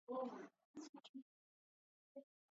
Her mother remarried a German man called Heinz.